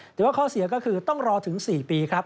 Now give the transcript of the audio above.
แต่ว่าข้อเสียก็คือต้องรอถึง๔ปีครับ